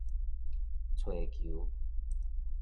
揣求